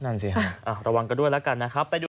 นั่นสิฮะระวังกันด้วยแล้วกันนะครับ